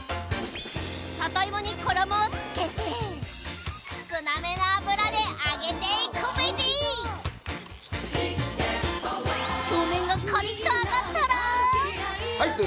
里芋に衣をつけて少なめの油で揚げていくベジ表面がカリッと揚がったらはい。